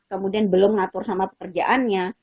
kemudian belum ngatur sama pekerjaannya